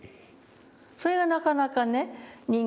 それがなかなかね